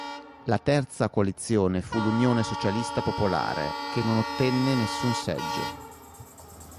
La terza coalizione fu l'Unione Socialista Popolare che non ottenne nessun seggio.